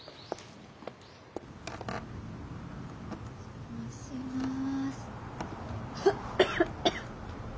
お邪魔します。